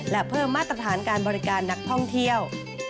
และเพิ่มมาตรฐานการบริการนักท่องเที่ยว